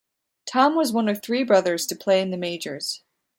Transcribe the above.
Tom was one of three brothers to play in the Majors.